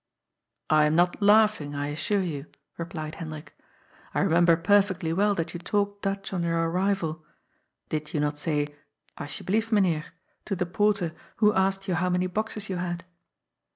" I am not laughing, I assure you," replied Hendrik. " I remember perfectly well that you talked Dutch on your arrival. Did you not say ' Asjeblief , Meneer,' to the porter who asked you how many boxes you had